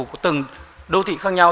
của từng đô thị khác nhau